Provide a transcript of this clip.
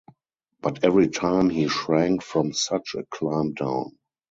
But every time he shrank from such a climb down.